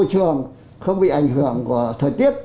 thôi trường không bị ảnh hưởng của thời tiết